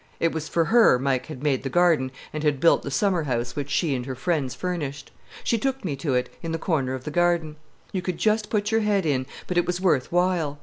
It was for her Mike had made the garden and had built the summer house which she and her friends furnished. She took me to it, in the corner of the garden. You could just put your head in; but it was worth while.